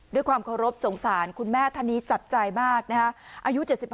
ด้วยความเคารพสงสารคุณแม่ธานีจัดใจมากนะครับ